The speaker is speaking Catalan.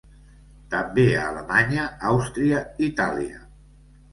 També a Alemanya, Àustria, Itàlia.